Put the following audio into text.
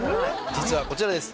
実はこちらです。